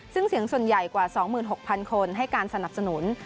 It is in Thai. ซึ่งเสียงส่วนใหญ่กว่า๒๖๐๐คนให้การสนับสนุน